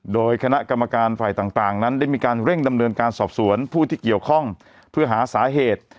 โดยคณะกรรมการฝ่ายต่างนั้นได้มีการเร่งดำเนินการสอบสวนผู้ที่เกี่ยวข้องเพื่อหาสาเหตุ